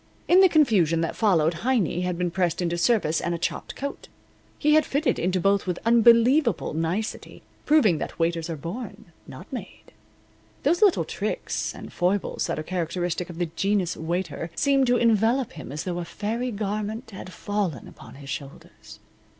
In the confusion that followed Heiny had been pressed into service and a chopped coat. He had fitted into both with unbelievable nicety, proving that waiters are born, not made. Those little tricks and foibles that are characteristic of the genus waiter seemed to envelop him as though a fairy garment had fallen upon his shoulders.